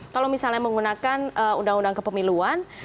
kalau misalnya menggunakan undang undang kepemiluan